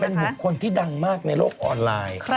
เป็นบุคคลที่ดังมากในโลกออนไลน์